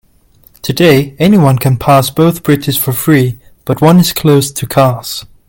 Today, anyone can pass both bridges for free, but one is closed to cars.